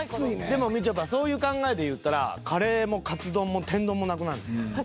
でもみちょぱそういう考えでいったらカレーもカツ丼も天丼もなくなんねんで。